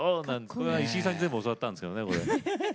石井さんに全部、教わったんです。